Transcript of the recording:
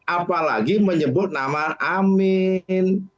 apalagi menyebut nama amin